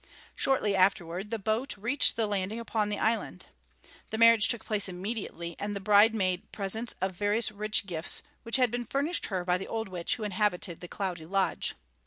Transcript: Shortly afterward the boat reached the landing upon the island. The marriage took place immediately; and the bride made presents of various rich gifts which had been furnished her by the old witch who inhabited the cloudy lodge.